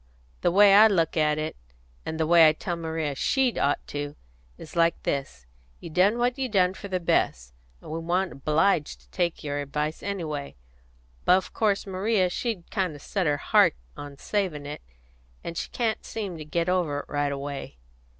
The way I look at it, and the way I tell Maria she'd ought to, is like this: You done what you done for the best, and we wa'n't obliged to take your advice anyway. But of course Maria she'd kind of set her heart on savin' it, and she can't seem to get over it right away."